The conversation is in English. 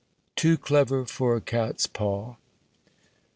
TOO CLEVER, FOR A CATSPAW.